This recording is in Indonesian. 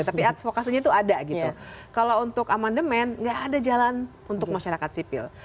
tapi fokusnya itu ada gitu kalau untuk amandemen nggak ada jalan untuk masyarakat serius